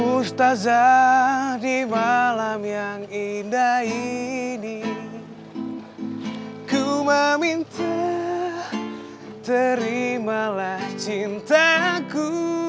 mustazar di malam yang indah ini ku meminta terimalah cintaku